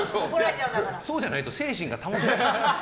そうじゃないと精神が保てない。